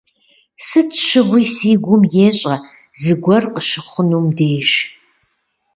Сыт щыгъуи си гум ещӏэ зыгуэр къыщыхъунум деж.